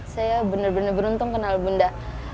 saya bener bener beruntung kenal bunda